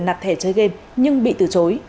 nạc thẻ chơi game nhưng bị từ chối